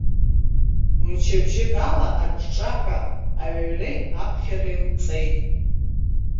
Мчыбжьык ала аҿҿаҳәа аҩреи аԥхьареи лҵеит.